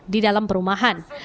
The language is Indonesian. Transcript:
di dalam perumahan